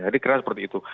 jadi kira kira seperti itu